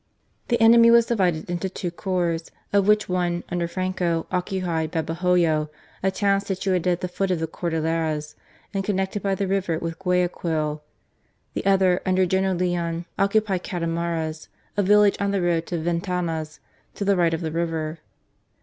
The enemy was divided into two corps, of which one, under Franco, occupied Babahoyo, a town situated at the foot of the Cordilleras, and con nected by the river with Guayaquil ; the other, under General Leon, occupied Catamaras, a village on the road to Ventanas, to the right of the river.